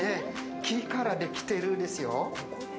木からできてるんですよ。